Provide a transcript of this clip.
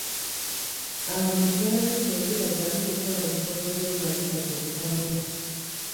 Abantu balayidde obutaddamu kukola bikolobero nga biva ku butamanya.